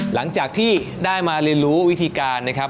หลังจากที่ได้มาเรียนรู้วิธีการนะครับ